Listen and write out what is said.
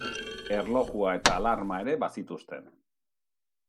Erlojua eta alarma ere bazituzten.